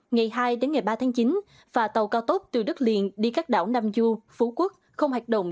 ngày hai đến ngày ba tháng chín phà tàu cao tốp từ đất liền đi các đảo nam chu phú quốc không hoạt động